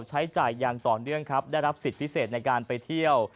ใช้จ่ายอย่างต่อเนื่องครับได้รับสิทธิพิเศษในการไปเที่ยว